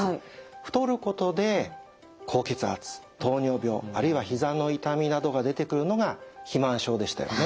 太ることで高血圧糖尿病あるいはひざの痛みなどが出てくるのが肥満症でしたよね。